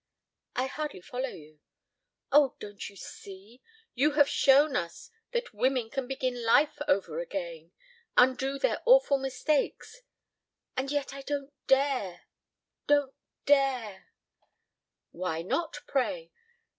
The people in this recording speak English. "I hardly follow you." "Oh, don't you see? You have shown us that women can begin life over again, undo their awful mistakes. And yet I don't dare don't dare " "Why not, pray?